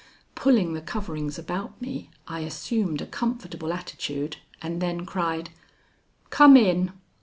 Pulling the coverings about me, I assumed a comfortable attitude and then cried: "Come in."